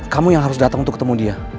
kamu yang harus datang untuk ketemu dia